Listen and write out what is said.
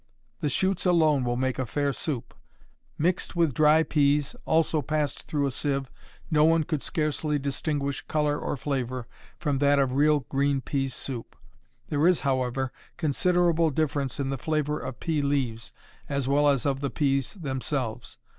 The shoots alone will make a fair soup. Mixed with dry peas, also passed through a sieve, no one could scarcely distinguish color or flavor from that of real green pea soup. There is, however, considerable difference in the flavor of pea leaves, as well as of the peas themselves.